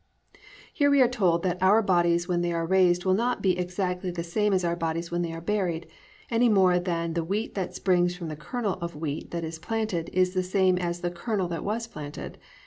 "+ Here we are told that our bodies when they are raised will not be exactly the same as our bodies when they are buried, any more than the wheat that springs from the kernel of wheat that is planted is the same as the kernel that was planted.